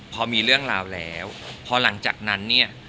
พอมีเรื่องราวแล้วพอถึงนั้นนี่